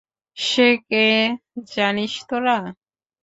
সে কে জানিস তোরা?